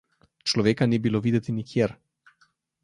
Človeka ni bilo videti nikjer!